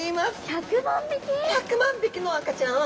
１００万匹の赤ちゃんを。